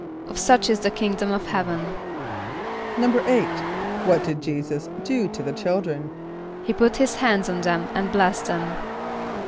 =Of such is the kingdom of heaven.= =8.= What did J[=e]´[s+]us do to the children? =He put his hands on them and blessed them.